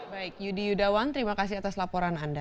baik yudi yudawan terima kasih atas laporan anda